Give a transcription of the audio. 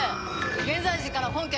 現在時から本件